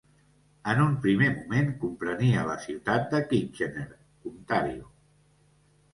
En un primer moment comprenia la ciutat de Kitchener, Ontario.